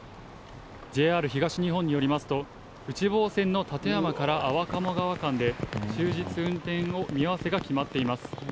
ＪＲ東日本によりますと、内房線の館山から安房鴨川間で、終日運転の見合わせが決まっています。